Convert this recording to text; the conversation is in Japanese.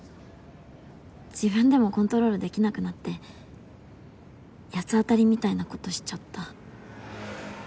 自分でもコントロールできなくなって八つ当たりみたいなことしちゃった。